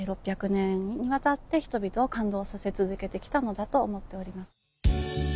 ６００年にわたって人々を感動させ続けてきたと思っております）